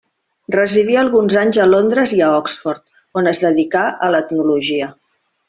Residí alguns anys a Londres i a Oxford, on es dedicà a l'etnologia.